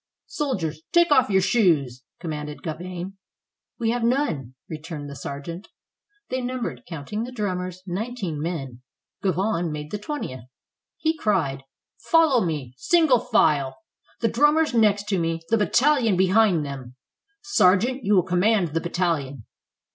"Soldiers, take off your shoes," commanded Gauvain. "We have none," returned the sergeant. They numbered, counting the drummers, nineteen men; Gauvain made the twentieth. He cried: "Follow 323 FRANCE me ! Single file ! The drummers next to me, the bat talion behind them. Sergeant, you will command the battalion."